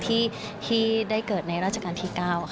ที่ได้เกิดในราชการที่๙ค่ะ